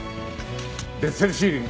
ベッセルシーリング。